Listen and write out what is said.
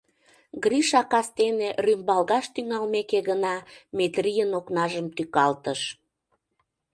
Гриша кастене, рӱмбалгаш тӱҥалмеке гына, Метрийын окнажым тӱкалтыш.